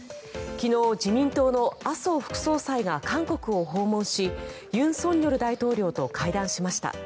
昨日、自民党の麻生副総裁が韓国を訪問し尹錫悦大統領と会談しました。